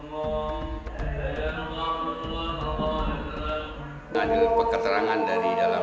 penjualan dengan kredit yang diperkenalkan oleh para penjualan dan penjualan yang diperkenalkan oleh para penjualan dan penjualan